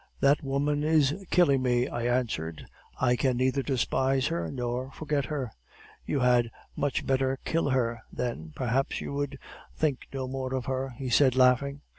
"'That woman is killing me,' I answered; 'I can neither despise her nor forget her.' "'You had much better kill her, then perhaps you would think no more of her,' he said, laughing.